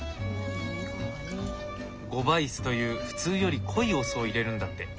五倍酢という普通より濃いお酢を入れるんだって。